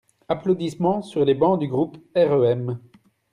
Applaudissements sur les bancs du groupe REM.